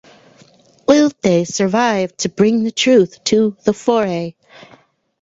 Will they survive to bring the truth to the fore?